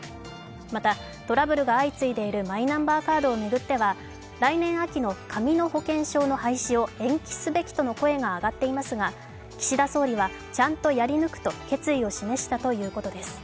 またトラブルが相次いでいるマイナンバーカードを巡っては来年秋の紙の保険証の廃止を延期すべきとの声が上がっていますが岸田総理はちゃんとやり抜くと決意を示したということです。